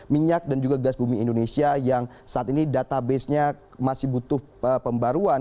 minyak dan juga gas bumi indonesia yang saat ini databasenya masih butuh pembaruan